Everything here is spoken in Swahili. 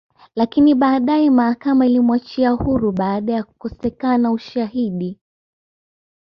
Lakini baadea mahakama ilimwachia huru baada ya kukosekana ushahidi